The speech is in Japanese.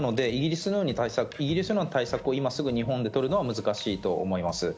なのでイギリスの対策を今すぐに日本で取るのは難しいと思います。